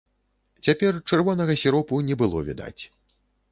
Цяпер чырвонага сіропу не было відаць.